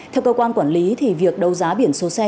theo cơ quan quản lý thì việc đấu giá biển số xe